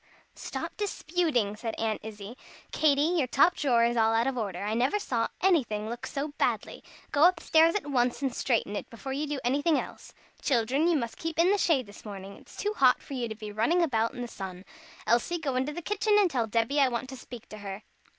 "Stop disputing," said Aunt Izzie. "Katy your top drawer is all out of order. I never saw anything look so badly. Go up stairs at once and straighten it, before you do anything else. Children, you must keep in the shade this morning. It's too hot for you to be running about in the sun. Elsie, go into the kitchen and tell Debby I want to speak to her."